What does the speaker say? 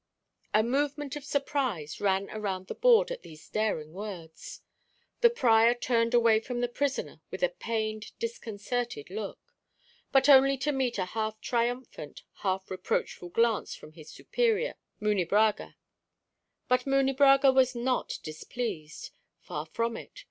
A movement of surprise ran around the Board at these daring words. The prior turned away from the prisoner with a pained, disconcerted look; but only to meet a half triumphant, half reproachful glance from his superior, Munebrãga. But Munebrãga was not displeased; far from it.